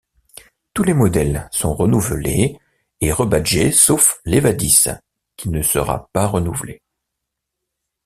Tous les modèles sont renouvelés et rebadgés sauf l'Evadys qui ne sera pas renouvelé.